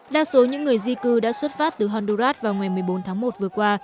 đa số những người di cư đã xuất phát từ honduras vào ngày một mươi bốn tháng một vừa qua